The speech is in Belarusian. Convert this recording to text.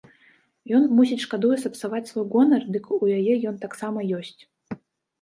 Ён, мусіць, шкадуе сапсаваць свой гонар, дык у яе ён таксама ёсць.